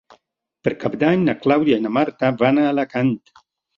Per Cap d'Any na Clàudia i na Marta van a Alacant.